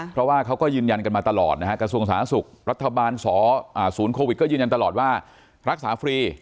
เพราะว่าเขาก็ยืนยันกันมาตลอดนะฮะกระทรวงสาธารณสุขรัฐบาลสอศูนย์โควิดก็ยืนยันตลอดว่ารักษาฟรี